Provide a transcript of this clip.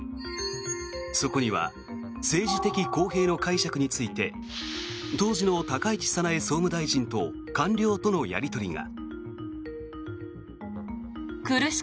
そこには政治的公平の解釈について当時の高市早苗総務大臣と官僚とのやり取りが。